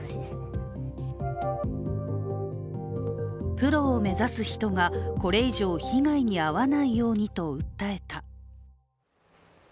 プロを目指す人がこれ以上被害に遭わないようにと訴えた。